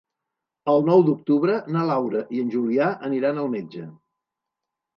El nou d'octubre na Laura i en Julià aniran al metge.